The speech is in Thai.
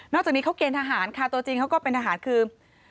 จากนี้เขาเกณฑหารค่ะตัวจริงเขาก็เป็นทหารคือ